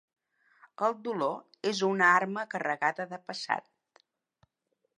El dolor és una arma carregada de passat.